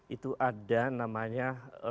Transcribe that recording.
itu ada namanya